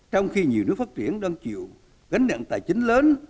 trong khi nhiều nước phát triển đơn chịu gánh nặng tài chính lớn